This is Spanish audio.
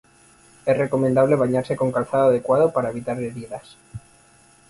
Es recomendable bañarse con calzado adecuado para evitar heridas.